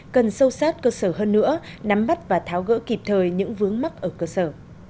cần sâu sát cơ sở hơn nữa nắm bắt và tháo gỡ kịp thời những vướng mắc ở cơ sở